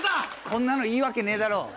こんなのいいわけねえだろ。